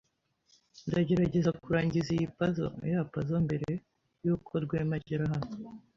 Ndagerageza kurangiza iyi puzzle ya puzzle mbere yuko Rwema agera hano.